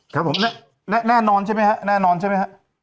ครับผมแน่นอนใช่ไหมฮะแน่นอนใช่ไหมฮะ